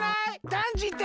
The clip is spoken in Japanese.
だんじて！